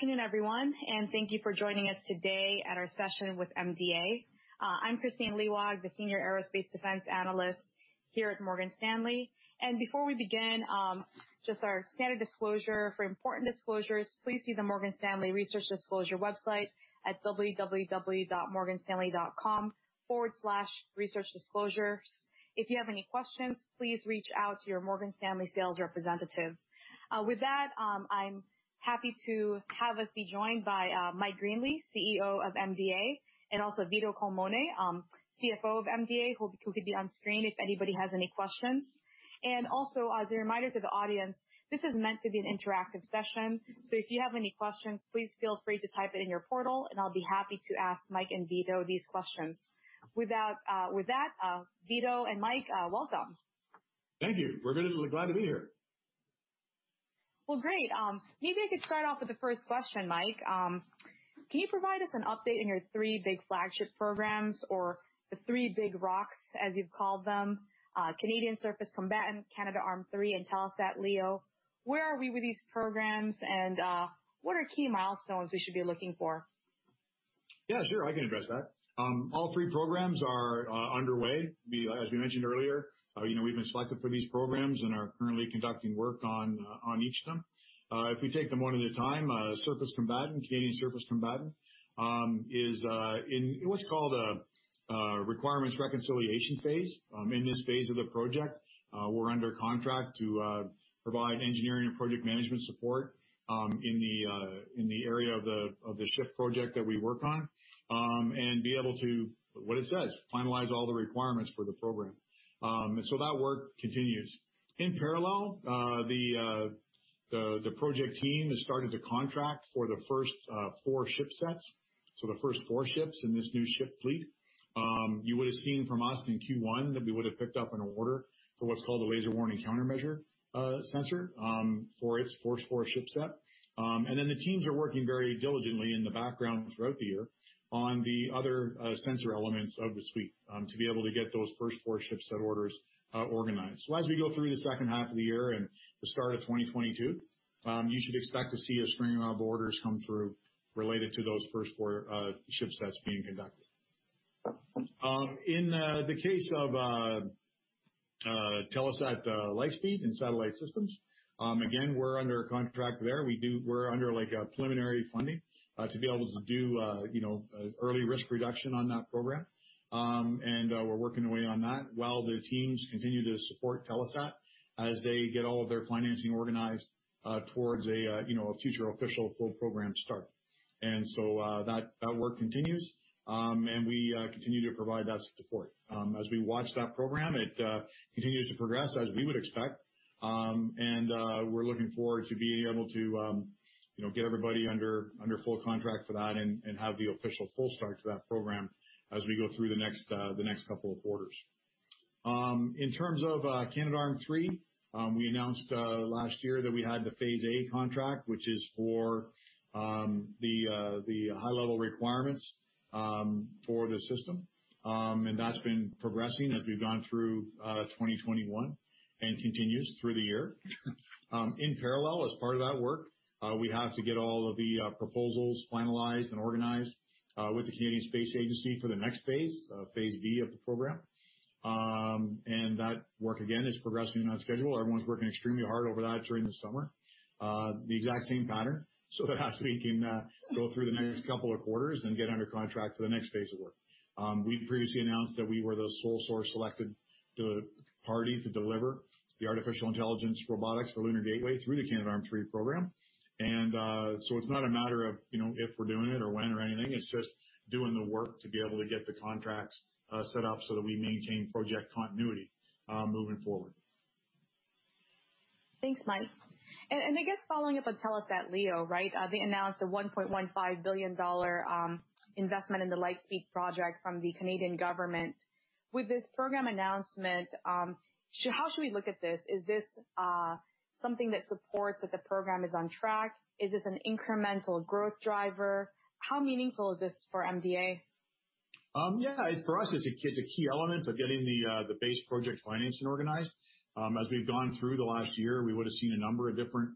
Good evening, everyone, thank you for joining us today at our session with MDA. I'm Kristine Liwag, the senior aerospace defense analyst here at Morgan Stanley. Before we begin, just our standard disclosure. For important disclosures, please see the Morgan Stanley research disclosure website at www.morganstanley.com/researchdisclosures. If you have any questions, please reach out to your Morgan Stanley sales representative. With that, I'm happy to have us be joined by Mike Greenley, CEO of MDA, and also Vito Culmone, CFO of MDA, who can be on screen if anybody has any questions. As a reminder to the audience, this is meant to be an interactive session. If you have any questions, please feel free to type it in your portal, and I'll be happy to ask Mike and Vito these questions. With that, Vito and Mike, welcome. Thank you. We're glad to be here. Well, great. Maybe I could start off with the first question, Mike. Can you provide us an update on your three big flagship programs or the three big rocks, as you've called them, Canadian Surface Combatant, Canadarm3, and Telesat LEO? Where are we with these programs, and what are key milestones we should be looking for? Sure. I can address that. All three programs are underway. As we mentioned earlier we've been selected for these programs and are currently conducting work on each of them. We take them one at a time, Canadian Surface Combatant is in what's called a requirements reconciliation phase. In this phase of the project, we're under contract to provide engineering and project management support in the area of the ship project that we work on, and be able to, what it says, finalize all the requirements for the program. That work continues. In parallel, the project team has started to contract for the first four ship sets, so the first four ships in this new ship fleet. You would've seen from us in Q1 that we would've picked up an order for what's called the laser warning countermeasure sensor for its first four ship set. The teams are working very diligently in the background throughout the year on the other sensor elements of the suite to be able to get those first four ship set orders organized. As we go through the second half of the year and the start of 2022, you should expect to see a string of orders come through related to those first four ship sets being conducted. In the case of Telesat Lightspeed and satellite systems, again, we're under a contract there. We're under preliminary funding to be able to do early risk reduction on that program. We're working away on that while the teams continue to support Telesat as they get all of their financing organized towards a future official full program start. That work continues, and we continue to provide that support. As we watch that program, it continues to progress as we would expect. We're looking forward to being able to get everybody under full contract for that and have the official full start to that program as we go through the next couple of quarters. In terms of Canadarm3, we announced last year that we had the Phase A contract, which is for the high-level requirements for the system. That's been progressing as we've gone through 2021 and continues through the year. In parallel, as part of that work, we have to get all of the proposals finalized and organized with the Canadian Space Agency for the next phase, Phase B of the program. That work, again, is progressing on schedule. Everyone's working extremely hard over that during the summer. The exact same pattern, so that as we can go through the next couple of quarters and get under contract for the next phase of work. We previously announced that we were the sole source selected to party to deliver the artificial intelligence robotics for Lunar Gateway through the Canadarm3 program. It's not a matter of if we're doing it or when or anything, it's just doing the work to be able to get the contracts set up so that we maintain project continuity moving forward. Thanks, Mike. I guess following up on Telesat LEO, right? They announced a 1.15 billion dollar investment in the Lightspeed project from the Canadian government. With this program announcement, how should we look at this? Is this something that supports that the program is on track? Is this an incremental growth driver? How meaningful is this for MDA? Yeah. For us, it's a key element of getting the base project financing organized. As we've gone through the last year, we would've seen a number of different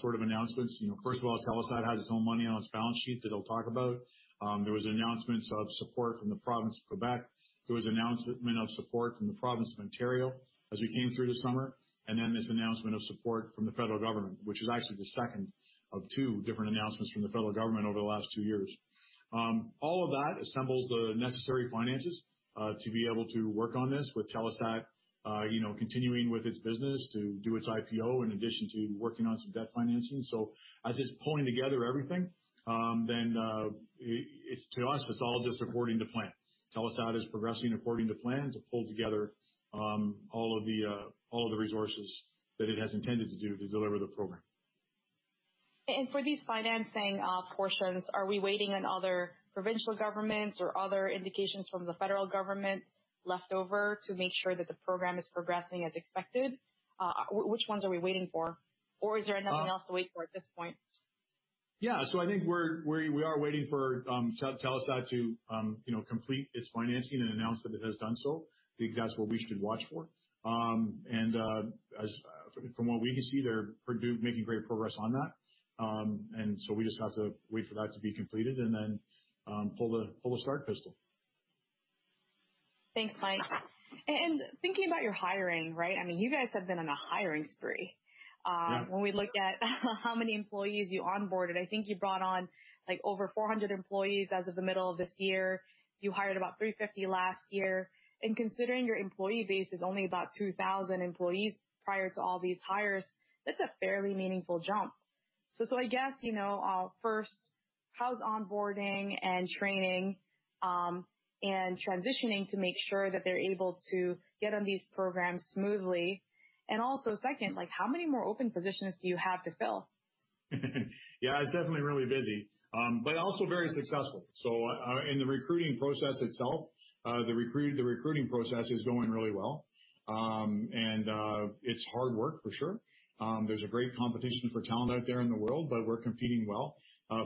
sort of announcements. First of all, Telesat has its own money on its balance sheet that it'll talk about. There was announcements of support from the province of Quebec. There was announcement of support from the province of Ontario as we came through the summer. This announcement of support from the federal government, which is actually the second of two different announcements from the federal government over the last two years. All of that assembles the necessary finances, to be able to work on this with Telesat continuing with its business to do its IPO in addition to working on some debt financing. As it's pulling together everything, then to us, it's all just according to plan. Telesat is progressing according to plan to pull together all of the resources that it has intended to do to deliver the program. For these financing portions, are we waiting on other provincial governments or other indications from the federal government left over to make sure that the program is progressing as expected? Which ones are we waiting for? Is there anything else to wait for at this point? Yeah. I think we are waiting for Telesat to complete its financing and announce that it has done so. I think that's what we should watch for. From what we can see, they're making great progress on that. We just have to wait for that to be completed and then pull the start pistol. Thanks, Mike. Thinking about your hiring, right? I mean, you guys have been on a hiring spree. Yeah. When we looked at how many employees you onboarded, I think you brought on over 400 employees as of the middle of this year. You hired about 350 last year. Considering your employee base is only about 2,000 employees prior to all these hires, that's a fairly meaningful jump. I guess, first, how's onboarding and training, and transitioning to make sure that they're able to get on these programs smoothly? Also, second, how many more open positions do you have to fill? It's definitely really busy. Also very successful. In the recruiting process itself, the recruiting process is going really well. It's hard work, for sure. There's a great competition for talent out there in the world, but we're competing well.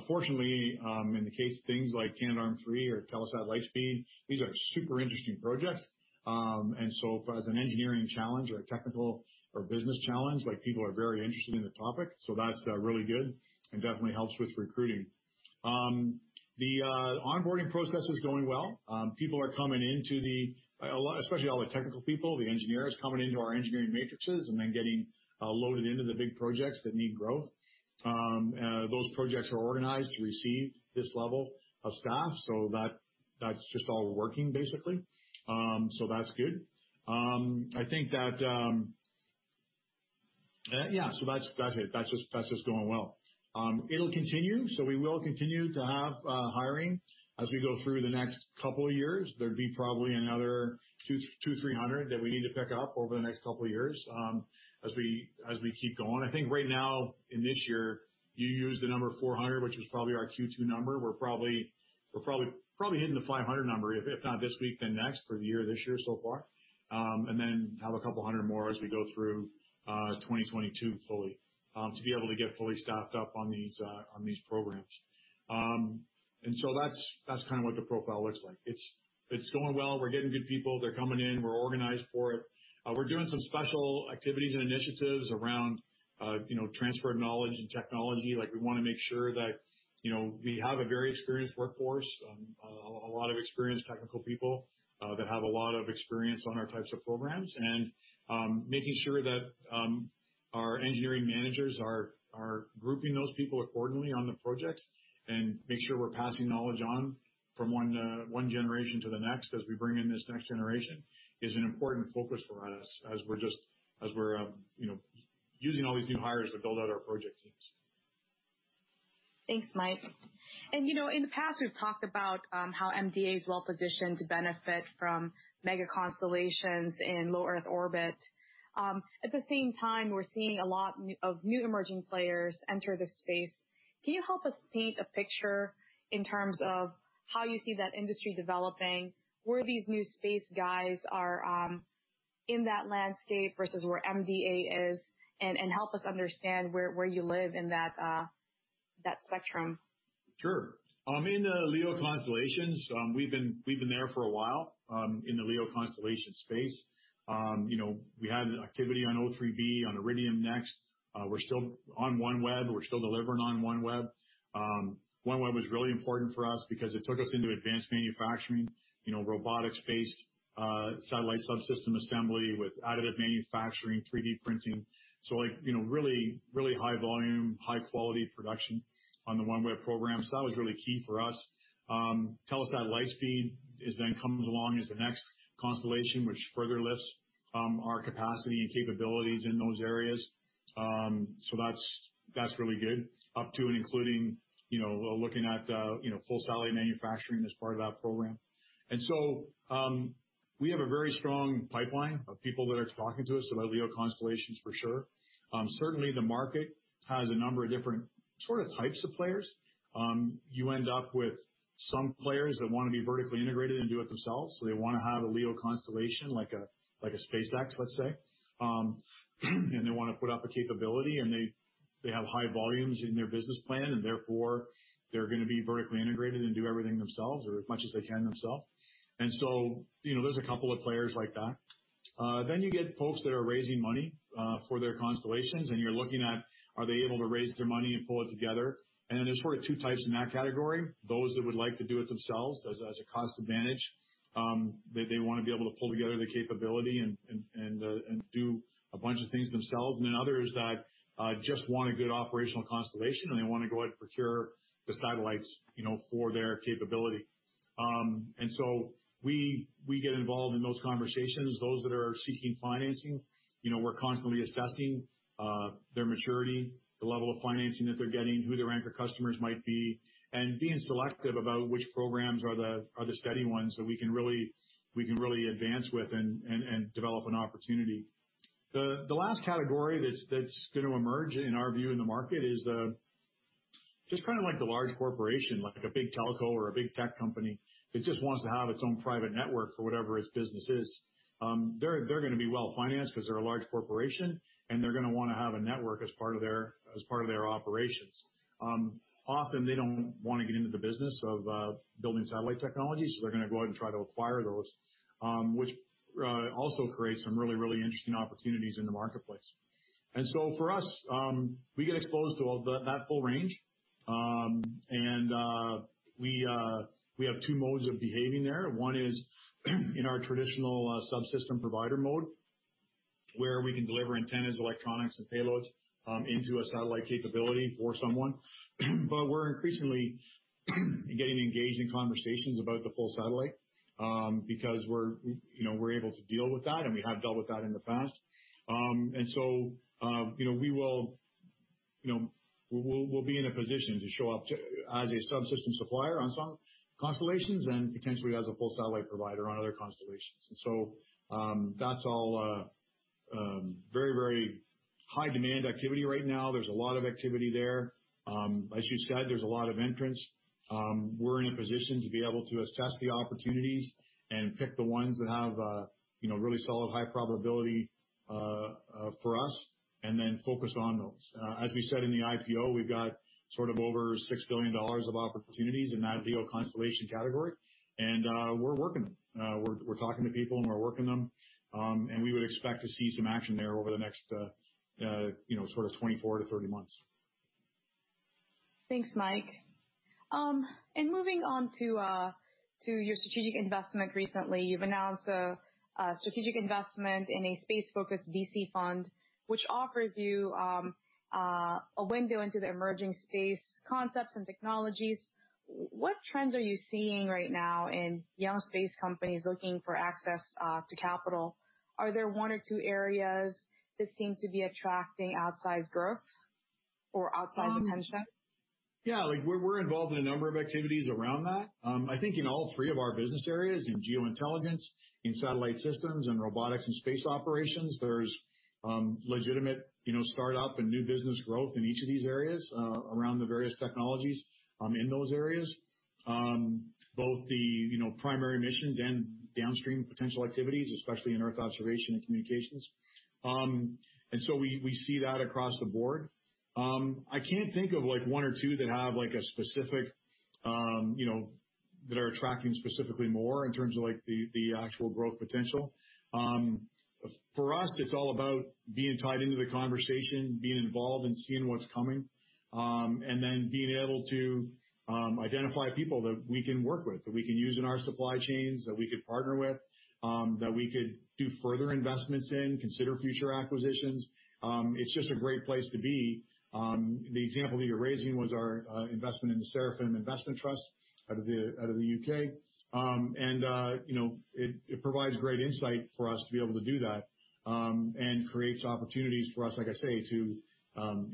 Fortunately, in the case of things like Canadarm3 or Telesat Lightspeed, these are super interesting projects. As an engineering challenge or a technical or business challenge, people are very interested in the topic, so that's really good and definitely helps with recruiting. The onboarding process is going well. Especially all the technical people, the engineers coming into our engineering matrices and then getting loaded into the big projects that need growth. Those projects are organized to receive this level of staff, so that's just all working basically. That's good. I think that's it. That's just going well. It'll continue. We will continue to have hiring as we go through the next couple of years. There'd be probably another 200, 300 that we need to pick up over the next couple of years as we keep going. I think right now, in this year, you used the number 400, which was probably our Q2 number. We're probably hitting the 500 number, if not this week, then next, for the year this year so far. Then have 200 more as we go through 2022 fully, to be able to get fully staffed up on these programs. That's kind of what the profile looks like. It's going well. We're getting good people. They're coming in. We're organized for it. We're doing some special activities and initiatives around transfer of knowledge and technology. We want to make sure that we have a very experienced workforce, a lot of experienced technical people that have a lot of experience on our types of programs. Making sure that our engineering managers are grouping those people accordingly on the projects and make sure we're passing knowledge on from one generation to the next, as we bring in this next generation, is an important focus for us as we're using all these new hires to build out our project teams. Thanks, Mike. In the past, we've talked about how MDA is well-positioned to benefit from mega constellations in low Earth orbit. At the same time, we're seeing a lot of new emerging players enter the space. Can you help us paint a picture in terms of how you see that industry developing, where these new space guys are in that landscape versus where MDA is? Help us understand where you live in that spectrum. Sure. In the LEO constellations, we've been there for a while in the LEO constellation space. We had activity on O3b, on Iridium NEXT. We're still on OneWeb, we're still delivering on OneWeb. OneWeb was really important for us because it took us into advanced manufacturing, robotics-based satellite subsystem assembly with additive manufacturing, 3D printing. Really high volume, high-quality production on the OneWeb program. That was really key for us. Telesat Lightspeed comes along as the next constellation, which further lifts our capacity and capabilities in those areas. That's really good. Up to and including, we're looking at full satellite manufacturing as part of that program. We have a very strong pipeline of people that are talking to us about LEO constellations, for sure. Certainly, the market has a number of different sort of types of players. You end up with some players that want to be vertically integrated and do it themselves. They want to have a LEO constellation like a SpaceX, let's say. They want to put up a capability, and they have high volumes in their business plan, and therefore, they're going to be vertically integrated and do everything themselves or as much as they can themselves. There's a couple of players like that. You get folks that are raising money for their constellations, and you're looking at, are they able to raise their money and pull it together? There's sort of two types in that category. Those that would like to do it themselves as a cost advantage. They want to be able to pull together the capability and do a bunch of things themselves. Others that just want a good operational constellation, and they want to go ahead and procure the satellites for their capability. We get involved in those conversations. Those that are seeking financing, we're constantly assessing their maturity, the level of financing that they're getting, who their anchor customers might be. Being selective about which programs are the steady ones that we can really advance with and develop an opportunity. The last category that's going to emerge in our view in the market is just kind of like the large corporation, like a big telco or a big tech company that just wants to have its own private network for whatever its business is. They're going to be well-financed because they're a large corporation, and they're going to want to have a network as part of their operations. Often, they don't want to get into the business of building satellite technology, so they're going to go out and try to acquire those. Which also creates some really interesting opportunities in the marketplace. For us, we get exposed to that full range. We have two modes of behaving there. One is in our traditional subsystem provider mode, where we can deliver antennas, electronics, and payloads into a satellite capability for someone. We're increasingly getting engaged in conversations about the full satellite because we're able to deal with that, and we have dealt with that in the past. We'll be in a position to show up as a subsystem supplier on some constellations and potentially as a full satellite provider on other constellations. That's all very high demand activity right now. There's a lot of activity there. As you said, there's a lot of entrants. We're in a position to be able to assess the opportunities and pick the ones that have really solid, high probability for us, and then focus on those. As we said in the IPO, we've got sort of over 6 billion dollars of opportunities in that LEO constellation category, and we're working them. We're talking to people, and we're working them. We would expect to see some action there over the next sort of 24-30 months. Thanks, Mike. Moving on to your strategic investment. Recently, you've announced a strategic investment in a space-focused VC fund, which offers you a window into the emerging space concepts and technologies. What trends are you seeing right now in young space companies looking for access to capital? Are there one or two areas that seem to be attracting outsized growth or outsized attention? Yeah. We're involved in a number of activities around that. I think in all three of our business areas, in geointelligence, in satellite systems, and robotics and space operations, there's legitimate startup and new business growth in each of these areas around the various technologies in those areas. Both the primary missions and downstream potential activities, especially in Earth observation and communications. We see that across the board. I can't think of one or two that are attracting specifically more in terms of the actual growth potential. For us, it's all about being tied into the conversation, being involved, and seeing what's coming. Being able to identify people that we can work with, that we can use in our supply chains, that we could partner with, that we could do further investments in, consider future acquisitions. It's just a great place to be. The example that you're raising was our investment in the Seraphim Space Investment Trust out of the U.K. It provides great insight for us to be able to do that. It creates opportunities for us, like I say, to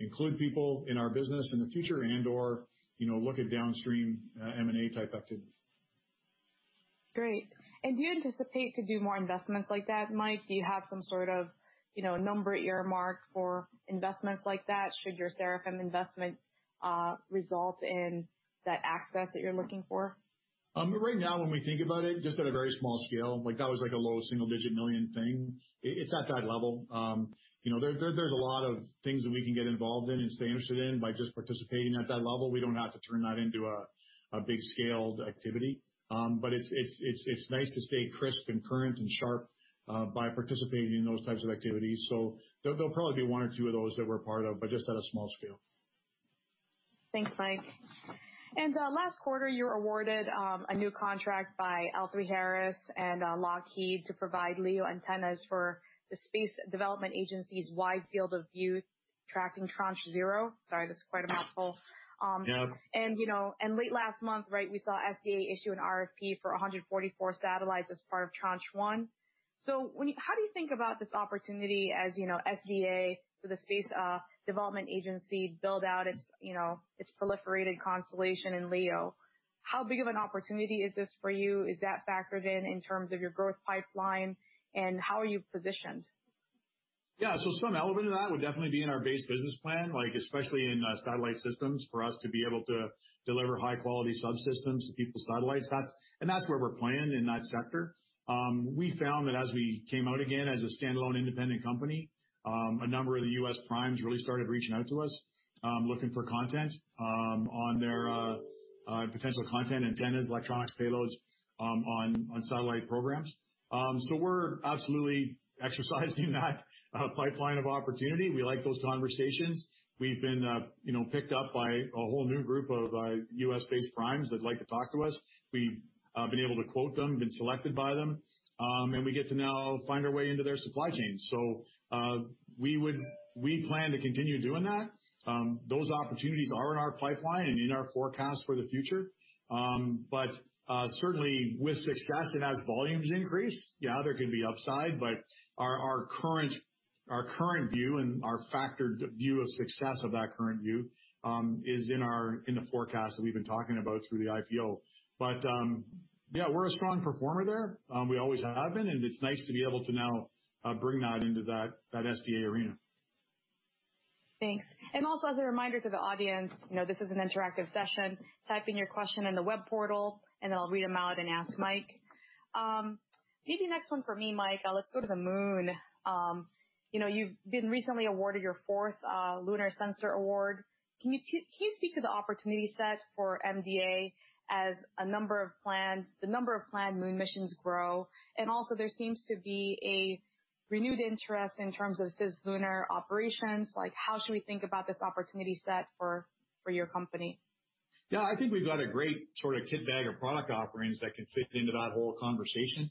include people in our business in the future and/or look at downstream M&A-type activity. Great. Do you anticipate to do more investments like that, Mike? Do you have some sort of number earmarked for investments like that should your Seraphim investment result in that access that you're looking for? Right now, when we think about it, just at a very small scale, that was a low single-digit million thing. It's at that level. There's a lot of things that we can get involved in and stay interested in by just participating at that level. We don't have to turn that into a big-scaled activity. It's nice to stay crisp and current and sharp by participating in those types of activities. There'll probably be one or two of those that we're a part of, but just at a small scale. Thanks, Mike. Last quarter, you were awarded a new contract by L3Harris and Lockheed to provide LEO antennas for the Space Development Agency's wide field of view tracking Tranche 0. Sorry, that's quite a mouthful. Yeah. Late last month, we saw SDA issue an RFP for 144 satellites as part of Tranche 1. How do you think about this opportunity as SDA, so the Space Development Agency, build out its proliferated constellation in LEO? How big of an opportunity is this for you? Is that factored in in terms of your growth pipeline, and how are you positioned? Some element of that would definitely be in our base business plan, especially in satellite systems, for us to be able to deliver high-quality subsystems to people's satellites. That's where we're playing in that sector. We found that as we came out again as a standalone independent company, a number of the U.S. primes really started reaching out to us, looking for potential content, antennas, electronics, payloads on satellite programs. We're absolutely exercising that pipeline of opportunity. We like those conversations. We've been picked up by a whole new group of U.S.-based primes that like to talk to us. We've been able to quote them, been selected by them, and we get to now find our way into their supply chain. We plan to continue doing that. Those opportunities are in our pipeline and in our forecast for the future. Certainly, with success and as volumes increase, yeah, there can be upside, but our current view and our factored view of success of that current view is in the forecast that we've been talking about through the IPO. Yeah, we're a strong performer there. We always have been, and it's nice to be able to now bring that into that SDA arena. Thanks. Also, as a reminder to the audience, this is an interactive session. Type in your question in the web portal, then I'll read them out and ask Mike. Maybe next one for me, Mike. Let's go to the Moon. You've been recently awarded your fourth lunar sensor award. Can you speak to the opportunity set for MDA as the number of planned Moon missions grow? Also, there seems to be a renewed interest in terms of Cislunar operations. How should we think about this opportunity set for your company? Yeah, I think we've got a great sort of kit bag of product offerings that can fit into that whole conversation.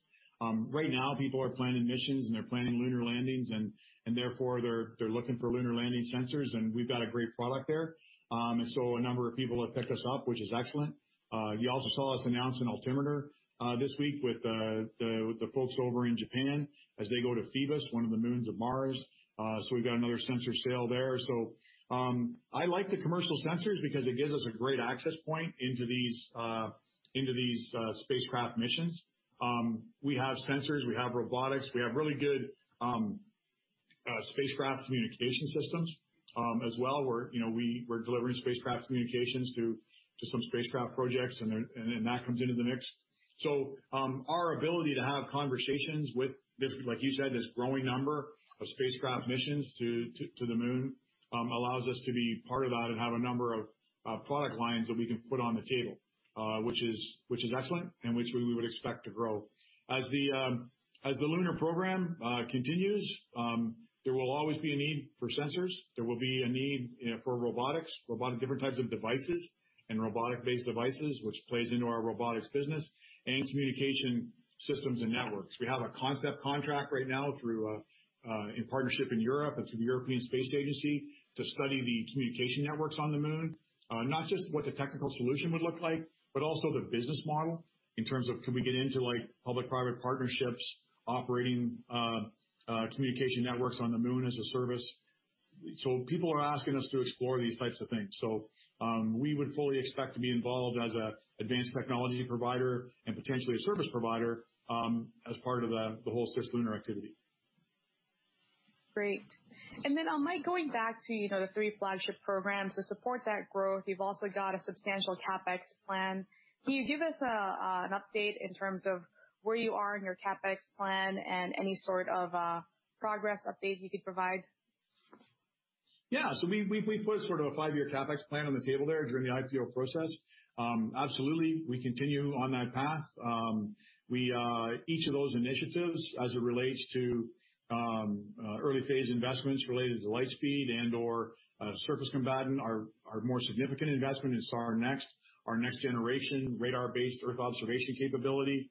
Right now, people are planning missions and they're planning lunar landings, and therefore they're looking for lunar landing sensors, and we've got a great product there. A number of people have picked us up, which is excellent. You also saw us announce an altimeter this week with the folks over in Japan as they go to Phobos, one of the moons of Mars. We've got another sensor sale there. I like the commercial sensors because it gives us a great access point into these spacecraft missions. We have sensors, we have robotics, we have really good spacecraft communication systems as well. We're delivering spacecraft communications to some spacecraft projects, that comes into the mix. Our ability to have conversations with this, like you said, this growing number of spacecraft missions to the moon, allows us to be part of that and have a number of product lines that we can put on the table, which is excellent and which we would expect to grow. As the lunar program continues, there will always be a need for sensors. There will be a need for robotics, different types of devices and robotic-based devices, which plays into our robotics business, and communication systems and networks. We have a concept contract right now in partnership in Europe and through the European Space Agency to study the communication networks on the moon. Not just what the technical solution would look like, but also the business model in terms of can we get into public-private partnerships operating communication networks on the moon as a service. People are asking us to explore these types of things. We would fully expect to be involved as an advanced technology provider and potentially a service provider, as part of the whole Cislunar activity. Great. Mike, going back to the three flagship programs. To support that growth, you've also got a substantial CapEx plan. Can you give us an update in terms of where you are in your CapEx plan and any sort of progress update you could provide? Yeah. We put sort of a five-year CapEx plan on the table there during the IPO process. Absolutely, we continue on that path. Each of those initiatives as it relates to early phase investments related to Lightspeed and/or Surface Combatant. Our more significant investment in SARnext, our next generation radar-based Earth observation capability.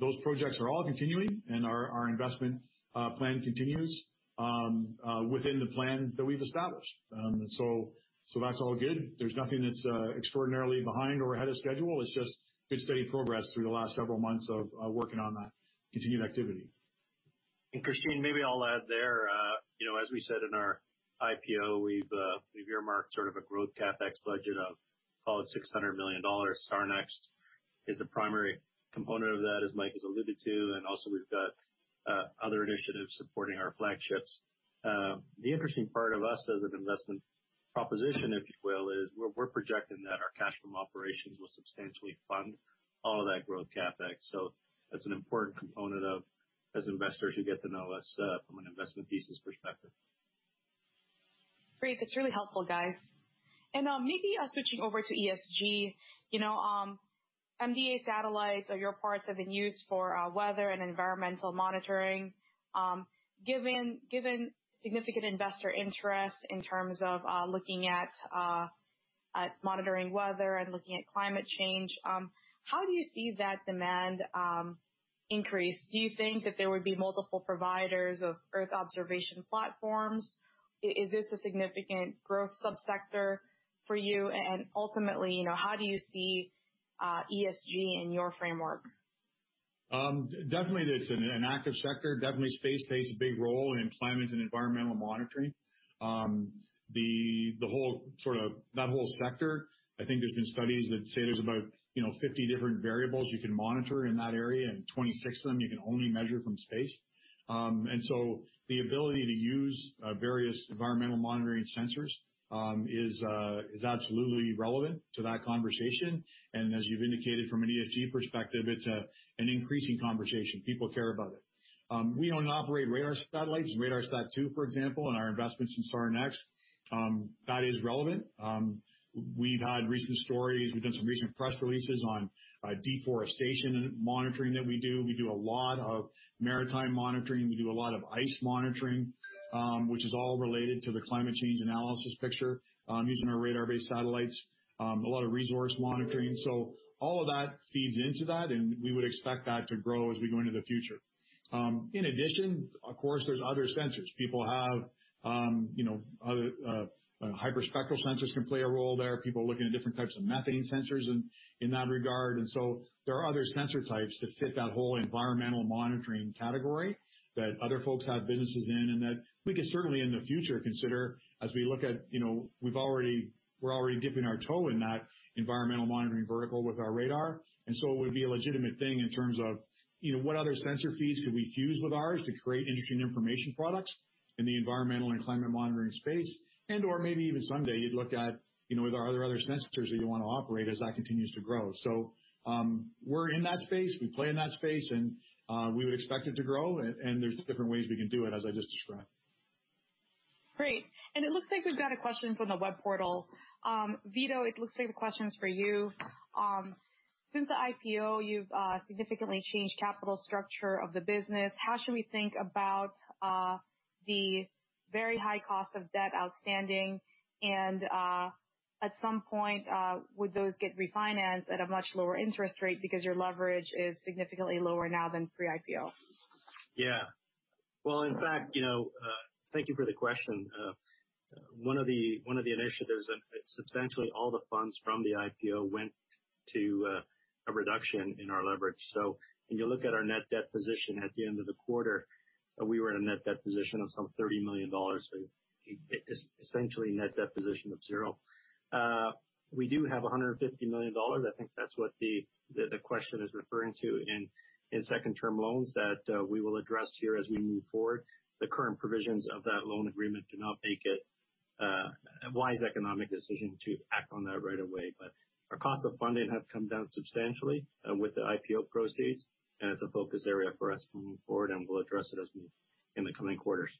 Those projects are all continuing, and our investment plan continues within the plan that we've established. That's all good. There's nothing that's extraordinarily behind or ahead of schedule. It's just good, steady progress through the last several months of working on that continued activity. Kristine, maybe I'll add there. As we said in our IPO, we've earmarked sort of a growth CapEx budget of call it 600 million dollars. SARnext is the primary component of that, as Mike has alluded to. Also, we've got other initiatives supporting our flagships. The interesting part of us as an investment proposition, if you will, is we're projecting that our cash from operations will substantially fund all of that growth CapEx. That's an important component of, as investors who get to know us from an investment thesis perspective. Great. That's really helpful, guys. Maybe switching over to ESG. MDA satellites or your parts have been used for weather and environmental monitoring. Given significant investor interest in terms of looking at monitoring weather and looking at climate change, how do you see that demand increase? Do you think that there would be multiple providers of Earth observation platforms? Is this a significant growth sub-sector for you? Ultimately, how do you see ESG in your framework? Definitely, it's an active sector. Definitely, space plays a big role in climate and environmental monitoring. That whole sector, I think there's been studies that say there's about 50 different variables you can monitor in that area, and 26 of them you can only measure from space. The ability to use various environmental monitoring sensors is absolutely relevant to that conversation. As you've indicated from an ESG perspective, it's an increasing conversation. People care about it. We own and operate radar satellites, RADARSAT-2, for example, and our investments in SARnext. That is relevant. We've had recent stories, we've done some recent press releases on deforestation monitoring that we do. We do a lot of maritime monitoring. We do a lot of ice monitoring, which is all related to the climate change analysis picture, using our radar-based satellites. A lot of resource monitoring. All of that feeds into that, and we would expect that to grow as we go into the future. In addition, of course, there is other sensors. Hyperspectral sensors can play a role there. People are looking at different types of methane sensors in that regard. There are other sensor types that fit that whole environmental monitoring category that other folks have businesses in, and that we could certainly in the future consider as we look at, we are already dipping our toe in that environmental monitoring vertical with our radar. It would be a legitimate thing in terms of what other sensor feeds could we fuse with ours to create interesting information products in the environmental and climate monitoring space. Or maybe even someday you would look at with our other sensors that you want to operate as that continues to grow. We're in that space, we play in that space, and we would expect it to grow, and there's different ways we can do it, as I just described. Great. It looks like we've got a question from the web portal. Vito, it looks like the question is for you. Since the IPO, you've significantly changed capital structure of the business. How should we think about the very high cost of debt outstanding and, at some point, would those get refinanced at a much lower interest rate because your leverage is significantly lower now than pre-IPO? Yeah. Well, in fact, thank you for the question. One of the initiatives, substantially all the funds from the IPO went to a reduction in our leverage. When you look at our net debt position at the end of the quarter, we were in a net debt position of some 30 million dollars. Essentially a net debt position of zero. We do have 150 million dollars. I think that's what the question is referring to in second-term loans that we will address here as we move forward. The current provisions of that loan agreement do not make it a wise economic decision to act on that right away. Our costs of funding have come down substantially with the IPO proceeds, and it's a focus area for us moving forward, and we'll address it in the coming quarters.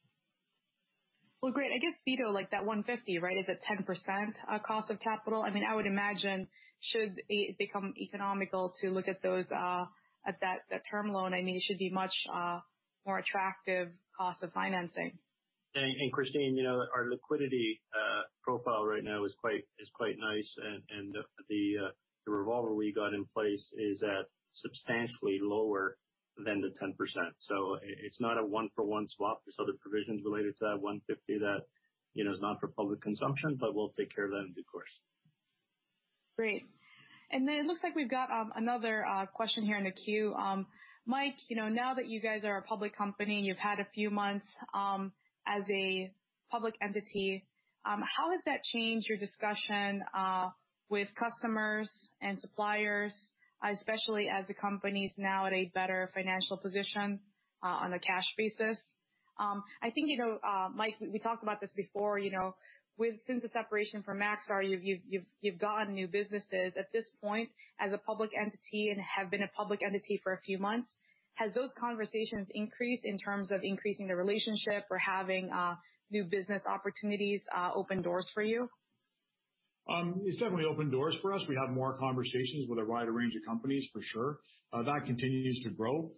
Well, great. I guess, Vito, like that 150, right, is at 10% cost of capital. I would imagine, should it become economical to look at that term loan, it should be much more attractive cost of financing. Kristine, our liquidity profile right now is quite nice and the revolver we got in place is at substantially lower than the 10%. It's not a one-for-one swap. There's other provisions related to that 150 that is not for public consumption, but we'll take care of that in due course. Great. Then it looks like we've got another question here in the queue. Mike, now that you guys are a public company and you've had a few months as a public entity, how has that changed your discussion with customers and suppliers, especially as the company's now at a better financial position on a cash basis? I think, Mike, we talked about this before. Since the separation from Maxar, you've gotten new businesses. At this point, as a public entity and have been a public entity for a few months, have those conversations increased in terms of increasing the relationship or having new business opportunities open doors for you? It's definitely opened doors for us. We have more conversations with a wider range of companies, for sure. That continues to grow.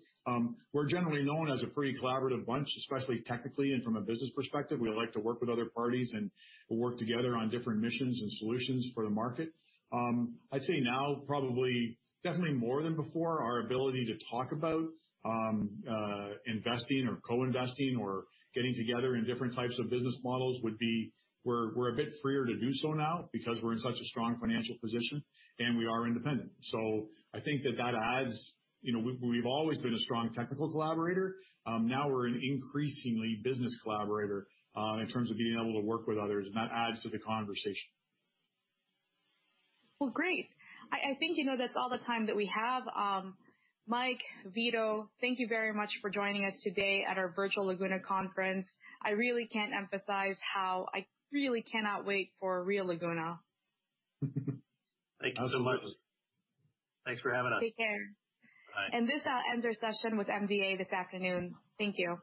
We're generally known as a pretty collaborative bunch, especially technically and from a business perspective. We like to work with other parties and work together on different missions and solutions for the market. I'd say now probably definitely more than before, our ability to talk about investing or co-investing or getting together in different types of business models would be we're a bit freer to do so now because we're in such a strong financial position and we are independent. I think that that adds. We've always been a strong technical collaborator. Now we're an increasingly business collaborator in terms of being able to work with others, and that adds to the conversation. Well, great. I think that's all the time that we have. Mike, Vito, thank you very much for joining us today at our virtual Laguna Conference. I really cannot wait for a real Laguna. Thank you so much. Absolutely. Thanks for having us. Take care. Bye. This ends our session with MDA this afternoon. Thank you.